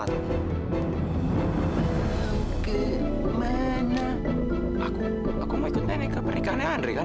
aku aku mau ikut nenek ke pernikahan andre kan